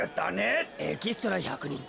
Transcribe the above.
エキストラ１００にん